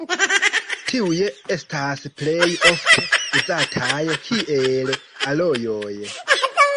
Tiuj estas plej ofte uzataj kiel alojoj.